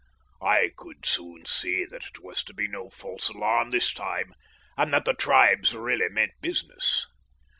I could soon see that it was to be no false alarm this time, and that the tribes really meant business.